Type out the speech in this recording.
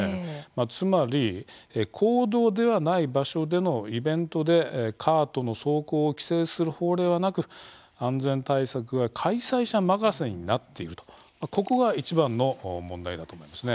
つまり公道ではない場所でのイベントで、カートの走行を規制する法令はなく安全対策が開催者任せになっているとここがいちばんの問題だと思います。